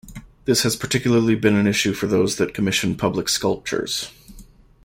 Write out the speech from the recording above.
This has particularly been an issue for those that commission public sculptures.